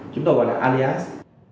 chúng tôi gọi là alias